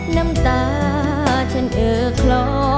น้ำตาฉันเออคลอ